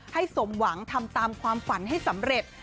สมหวังทำตามความฝันให้สำเร็จ